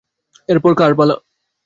এরপর কার পালা?